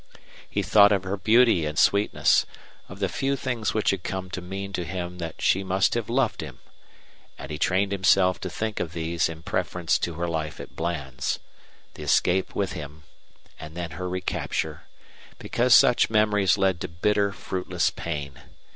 He thought of her beauty and sweetness, of the few things which had come to mean to him that she must have loved him; and he trained himself to think of these in preference to her life at Bland's, the escape with him, and then her recapture, because such memories led to bitter, fruitless pain.